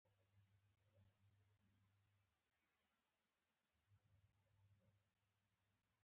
ما وویل: زه پلاستیکي پښه کاروم، پرې یې کړئ.